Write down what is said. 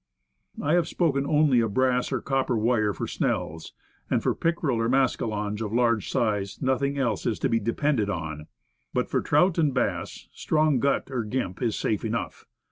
I have spoken only of brass or copper wire for snells, and for pickerel or mascalonge of large size nothing else is to be depended on. But for trout and bass, strong gut or gimp is safe enough.